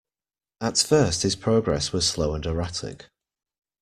At first his progress was slow and erratic.